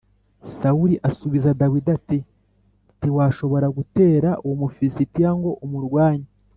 Sawuli asubiza Dawidi ati “Ntiwashobora gutera uwo Mufilisitiya ngo umurwanye